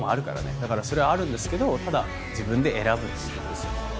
だからそれはあるんですけどただ自分で選ぶっていうことですよね。